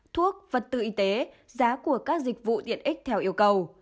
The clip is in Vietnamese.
thuốc vật tư y tế giá của các dịch vụ tiện ích theo yêu cầu